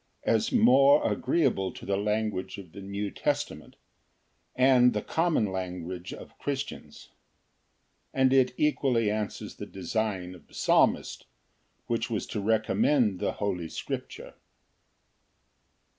as more agreeable to the language of the New Testament, and the common language of Christians, and it equally answers the design of the Psalmist, which was to recommend the holy scripture.